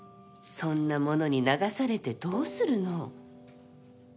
そんなものに流されてどうするの？